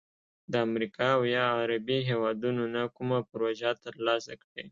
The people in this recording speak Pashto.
د امریکا او یا عربي هیوادونو نه کومه پروژه تر لاسه کړي،